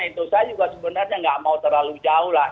itu saya juga sebenarnya nggak mau terlalu jauh lah